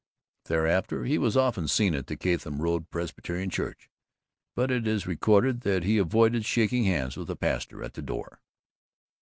Thereafter he was often seen at the Chatham Road Presbyterian Church, but it is recorded that he avoided shaking hands with the pastor at the door.